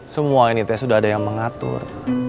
semua ini tes sudah ada yang mengatur